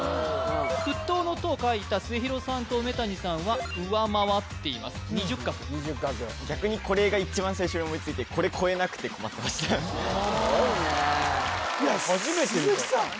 沸騰の騰を書いた末廣さんと梅谷さんは上回っています２０画２０画逆にこれが一番最初に思いついてこれ超えなくて困ってましたすごいねいや鈴木さん！